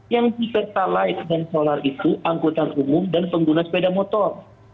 yang di pertalite dan solar itu angkutan umum dan pengguna sepeda motor